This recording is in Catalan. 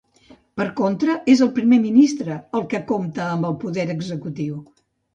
Per contra, és el primer ministre el que compta amb el poder executiu.